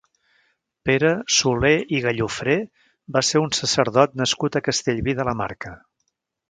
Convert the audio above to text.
Pere Solé i Gallofré va ser un sacerdot nascut a Castellví de la Marca.